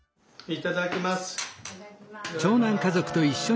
いただきます。